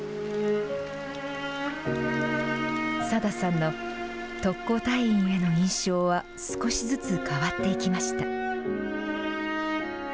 サダさんの特攻隊員への印象は少しずつ変わっていきました。